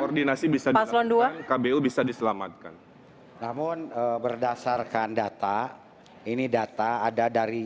koordinasi bisa di pasukan dua kbo bisa diselamatkan namun berdasarkan data ini data ada dari